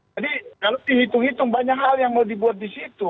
jadi kalau dihitung hitung banyak hal yang mau dibuat di situ